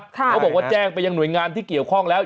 เขาบอกว่าแจ้งไปยังหน่วยงานที่เกี่ยวข้องแล้ว